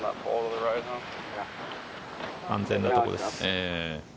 安全なところです。